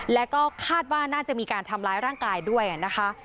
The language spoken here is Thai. แล้วก็คาดว่าน่าจะมีการทำร้ายร่างกายด้วยนะคะ